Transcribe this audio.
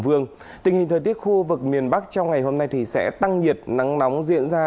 tình hình thời tiết khu vực miền bắc trong ngày hôm nay thì sẽ tăng nhiệt nắng nóng diễn ra